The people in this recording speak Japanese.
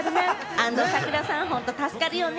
安藤サクラさん、本当助かるよね。